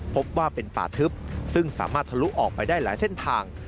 พบว่าเป็นป่าทึบซึ่งสามารถทะลุออกไปได้หลายเส้นทาง